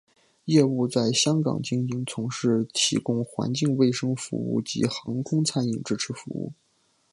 业务在香港经营从事提供环境卫生服务及航空餐饮支持服务。